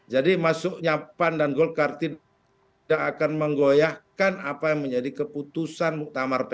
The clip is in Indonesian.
jadi masuknya pan dan golkar tidak akan menggoyahkan apa yang menjadi keputusan muktamar pkb